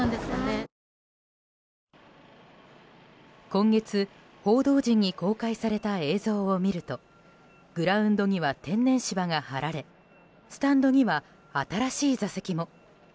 今月、報道陣に公開された映像を見るとグラウンドには天然芝が張られスタンドには新しい座席も。